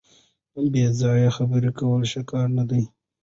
بې ځایه خبرې کول ښه کار نه دی.